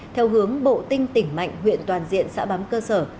theo hướng bộ tinh tỉnh mạnh huyện toàn diện xã bám cơ sở